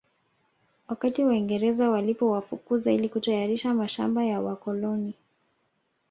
Wakati Waingereza walipowafukuza ili kutayarisha mashamba ya wakoloni